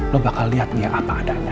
lo bakal lihat nih apa adanya